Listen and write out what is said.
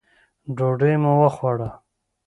ډوډۍ مو وخوړه.